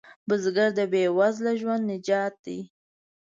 بزګر د بې وزله ژوند نجات دی